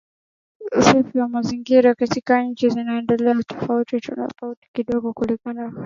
Usafi wa mazingira katika nchi zinazoendelea ni tofauti kidogo kuliko kawaida